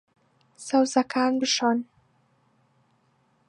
سەوزەکان بشۆن.